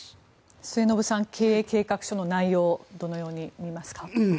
末延さん経営計画書の内容どのように見ますか？